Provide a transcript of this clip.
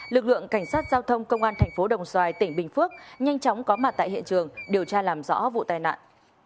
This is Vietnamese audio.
lực lượng cảnh sát giao thông công an thành phố đồng xoài tỉnh bình phước nhanh chóng có mặt tại hiện trường điều tra làm rõ vụ tai nạn